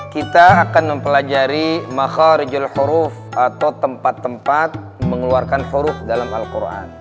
kita akan mempelajari makharijul huruf atau tempat tempat mengeluarkan huruf dalam al quran